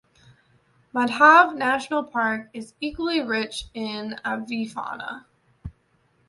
Madhav National Park is equally rich in avifauna.